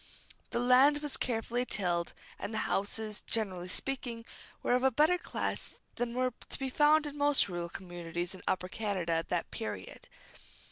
The land was carefully tilled, and the houses, generally speaking, were of a better class than were to be found in most rural communities in Upper Canada at that period.